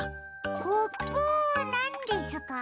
コプなんですか？